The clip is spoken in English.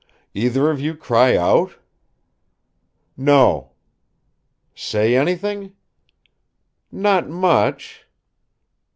"Either of you cry out?" "No." "Say anything?" "Not much."